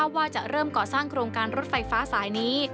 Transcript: ว่าจะเริ่มก่อสร้างโครงการรถไฟฟ้าสายนี้